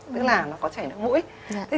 tức là nó có chảy nước mũi